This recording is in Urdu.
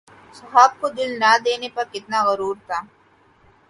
صاحب کو دل نہ دینے پہ کتنا غرور تھا